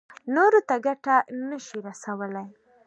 نورو ته ګټه نه شي رسولی.